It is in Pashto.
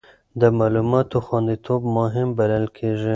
د معلوماتو خوندیتوب مهم بلل کېږي.